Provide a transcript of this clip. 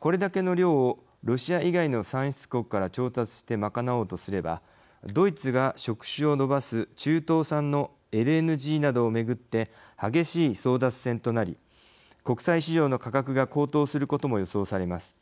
これだけの量をロシア以外の産出国から調達して賄おうとすればドイツが触手を伸ばす中東産のＬＮＧなどを巡って激しい争奪戦となり国際市場の価格が高騰することも予想されます。